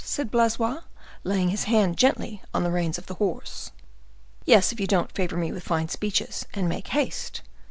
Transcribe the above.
said Blaisois, laying his hand gently on the reins of the horse. "Yes, if you don't favor me with fine speeches, and make haste."